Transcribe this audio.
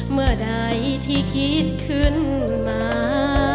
เมื่อใดที่คิดขึ้นมา